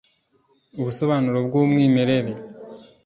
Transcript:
Ubusobanuro bwumwimerere